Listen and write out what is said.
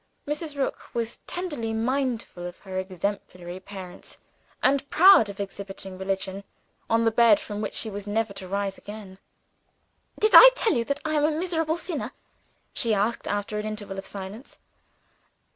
Mrs. Rook was tenderly mindful of her exemplary parents, and proud of exhibiting religion, on the bed from which she was never to rise again. "Did I tell you that I am a miserable sinner?" she asked, after an interval of silence.